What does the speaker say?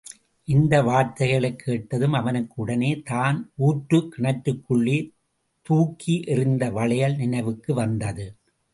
இந்த வார்த்தைகளைக் கேட்டதும், அவனுக்கு உடனே, தான் ஊற்றுக் கிணற்றுக்குள்ளே தூக்கி எறிந்த வளையல் நினைவுக்கு வந்தது.